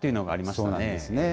そうなんですね。